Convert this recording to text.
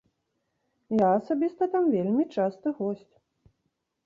Я асабіста там вельмі часты госць.